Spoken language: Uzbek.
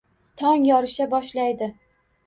Tong yorisha boshlaydi